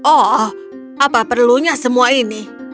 oh apa perlunya semua ini